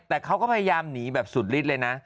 แล้วเขาก็พยายามหนีแบบสูดลิดเลยนะ